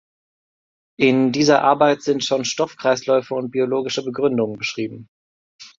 In dieser Arbeit sind schon Stoffkreisläufe und biologische Begründungen beschrieben.